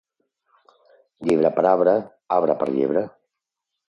Llibre per arbre, arbre per llibre.